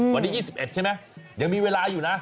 วันนี้๒๑ใช่ไหมยังมีเวลาอยู่นะ